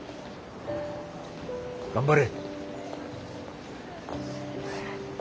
頑張れ。